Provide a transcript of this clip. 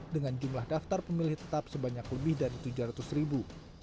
dengan jumlah daftar pemilih tetap sebanyak lebih dari tujuh ratus ribu